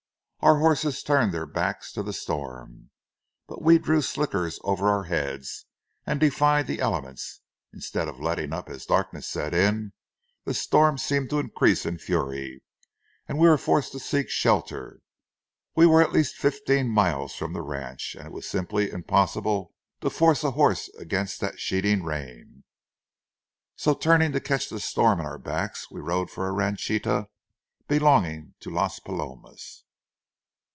Our horses turned their backs to the storm, but we drew slickers over our heads, and defied the elements. Instead of letting up as darkness set in, the storm seemed to increase in fury and we were forced to seek shelter. We were at least fifteen miles from the ranch, and it was simply impossible to force a horse against that sheeting rain. So turning to catch the storm in our backs, we rode for a ranchita belonging to Las Palomas.